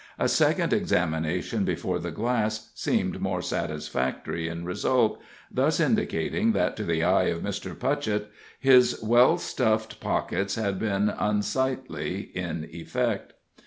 A second examination before the glass seemed more satisfactory in result, thus indicating that to the eye of Mr. Putchett his well stuffed pockets had been unsightly in effect.